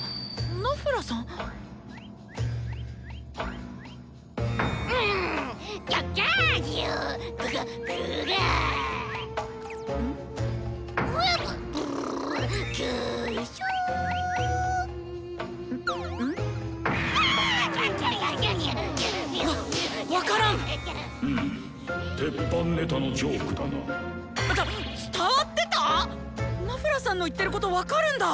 ナフラさんの言ってること分かるんだ！